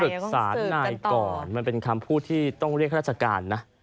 ปรึกษาหน่ายก่อนวันเป็นคำพูดที่ต้องเรียกราชการนะ